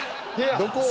どこを？